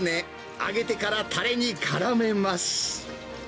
揚げてから、たれにからめます。